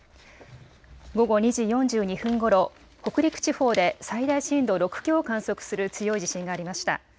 午後２時４２分ごろ、北陸地方で最大震度６強を観測する強い地震がありました。